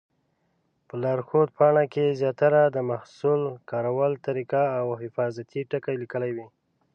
په لارښود پاڼه کې زیاتره د محصول کارولو طریقه او حفاظتي ټکي لیکلي وي.